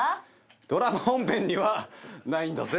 ドラマ本編にはないんだぜ。